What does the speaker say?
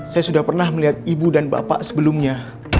saya sudah pernah melihat ibu dan bapak sebelumnya